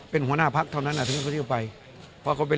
เป็นหัวหน้าพักเท่านั้นอ่ะถึงเขาจะไปเพราะเขาเป็น